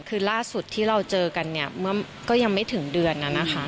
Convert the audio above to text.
คือล่าสุดที่เราเจอกันเนี่ยก็ยังไม่ถึงเดือนนั้นนะคะ